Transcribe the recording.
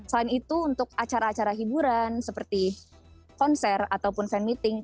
selain itu untuk acara acara hiburan seperti konser ataupun fan meeting